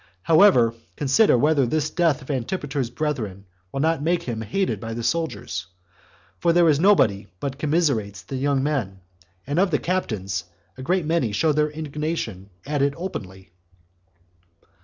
However, consider whether this death of Antipater's brethren will not make him hated by the soldiers; for there is nobody but commiserates the young men; and of the captains, a great many show their indignation at it openly."